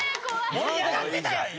盛り上がってたやん今！